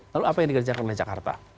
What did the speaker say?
lalu apa yang dikerjakan oleh jakarta